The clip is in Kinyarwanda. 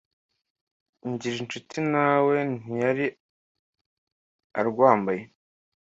Ngirincuti nawe ntiyari arwambaye,